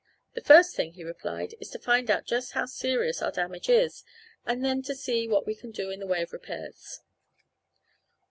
"The first thing," he replied, "is to find out just how serious our damage is, and then to see what we can do in the way of repairs."